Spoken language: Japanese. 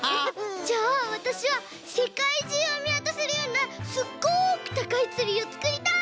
じゃあわたしはせかいじゅうをみわたせるようなすっごくたかいツリーをつくりたい！